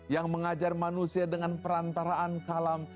yang mengajar manusia dengan perantaraan kalam